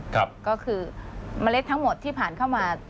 ก็คือเมล็ดทั้งหมดที่ผ่านเข้ามา